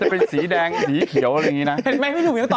จะเป็นสีแดงหรีเขียวอะไรแบบนี้นะ